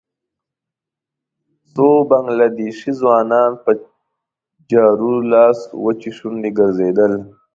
څو بنګله دېشي ځوانان په جارو لاس وچې شونډې ګرځېدل.